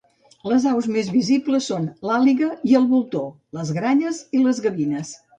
Les aus més visibles són l'àliga i el voltor, les gralles i les gavines.